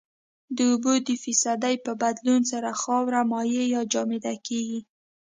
د اوبو د فیصدي په بدلون سره خاوره مایع یا جامد کیږي